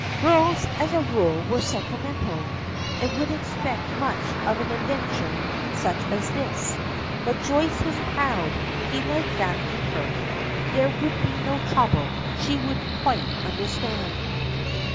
Girls, as a rule, were sentimental, and would expect much of an adventure such as this. But Joyce was proud he liked that in her. There would be no trouble; she would quite understand.